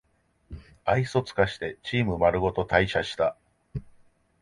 愛想つかしてチームまるごと退社した